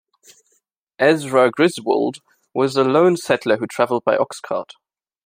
Ezra Griswold was the lone settler who traveled by oxcart.